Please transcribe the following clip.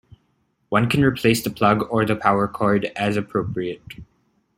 One can replace the plug or the power cord as appropriate.